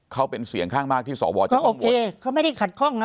เขาเป็นเสียงข้างมากที่สอบวอร์จะโหวตเขาโอเคเขาไม่ได้ขัดคล่องนะ